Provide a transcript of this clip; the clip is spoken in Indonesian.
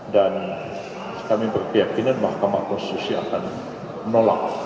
dan kami berkeyakinan mahkamah konstitusi akan menolak